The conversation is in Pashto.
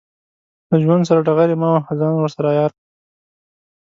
له ژوند سره ډغرې مه وهه، ځان ورسره عیار کړه.